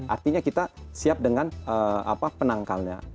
artinya kita siap dengan penangkalnya